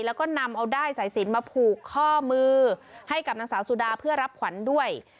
แล้วก็นำเอาด้ายสายสินมาผูกข้อมือให้กับนางสาวสุดาเพื่อรับขวัญด้วย